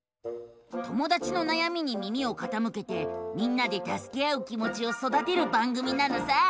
友だちのなやみに耳をかたむけてみんなでたすけ合う気もちをそだてる番組なのさ！